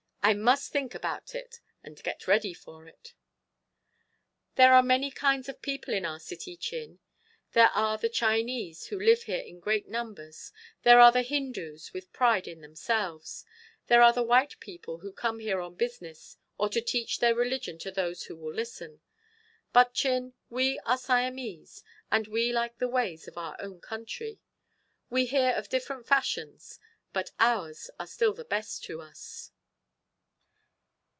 I must think about it and get ready for it." "There are many kinds of people in our city, Chin. There are the Chinese, who live here in great numbers; there are Hindus with pride in themselves; there are the white people who come here on business, or to teach their religion to those who will listen. But Chin, we are Siamese, and we like the ways of our own country. We hear of different fashions, but ours are still the best to us."